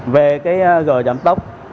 về cái g giảm tốc